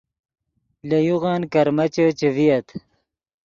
لے یوغن کرمیچے چے ڤییت